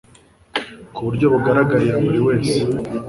ku buryo bugaragarira buri wese